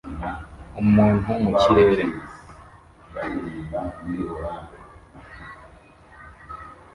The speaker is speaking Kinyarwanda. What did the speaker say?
umuntu mu kirere